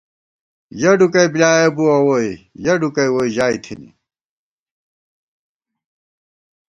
یَہ ڈُکَئی بۡلیایَہ بُوَہ ووئی ، یَہ ڈُکَئی ووئی ژائی تھنی